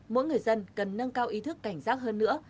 mỗi người dân cần nâng cao ý thức cảnh giác hơn nữa